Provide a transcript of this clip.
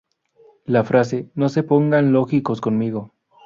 La frase "¡No se pongan lógicos conmigo!